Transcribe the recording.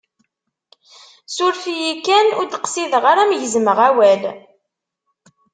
Suref-iyi kan, ur d-qsideɣ ara m-gezmeɣ awal.